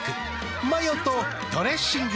マヨとドレッシングで。